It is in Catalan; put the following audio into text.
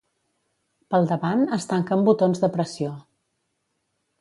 Pel davant es tanca amb botons de pressió.